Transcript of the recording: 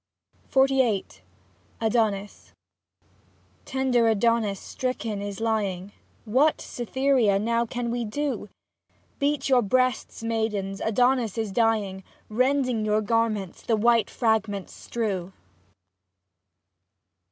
52 XLVIIl ADONIS Tender Adonis stricken is lying, What, Cytherea, now can we do ? Beat your breasts, maidens, Adonis is dying. Rending your garments (the white fragments strew).